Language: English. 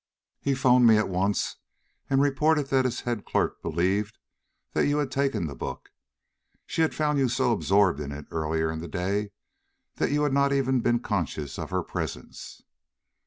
He phoned me at once and reported that his head clerk believed that you had taken the book. She had found you so absorbed in it earlier in the day that you had not even been conscious of her presence.